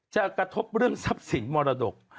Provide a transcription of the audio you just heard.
กระทบเรื่องทรัพย์สินมรดก